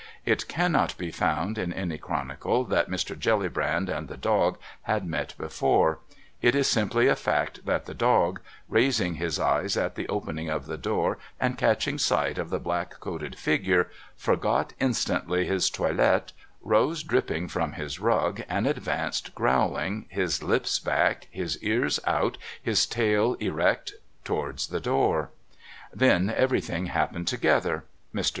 It cannot be found in any chronicles that Mr. Jellybrand and the dog had met before; it is simply a fact that the dog, raising his eyes at the opening of the door and catching sight of the black coated figure, forgot instantly his toilet, rose dripping from his rug, and advanced growling, his lips back, his ears out, his tail erect, towards the door. Then everything happened together. Mr.